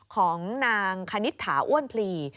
ของนางคณิตถาอ้วนพลี